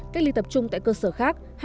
cách ly tập trung tại cơ sở khác